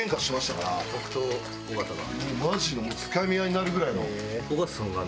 マジのもうつかみ合いになるぐらいの。